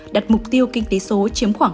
đặt mục tiêu kinh tế số chiếm khoảng hai mươi